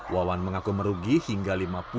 wawan mengaku merugi hingga lima puluh